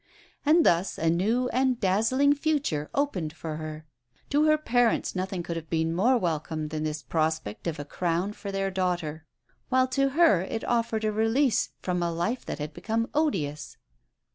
And thus a new and dazzling future opened for her. To her parents nothing could have been more welcome than this prospect of a crown for their daughter; while to her it offered a release from a life that had become odious.